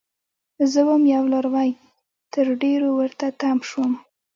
زه وم یو لاروی؛ تر ډيرو ورته تم شوم